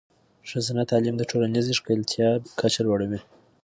ښځینه تعلیم د ټولنیزې ښکیلتیا کچه لوړوي.